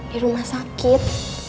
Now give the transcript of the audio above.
di rumah sakit